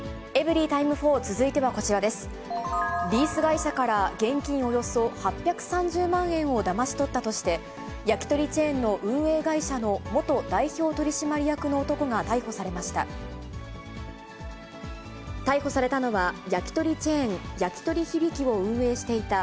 リース会社から現金およそ８３０万円をだまし取ったとして、焼き鳥チェーンの運営会社の元代表取締役の男が逮捕されました。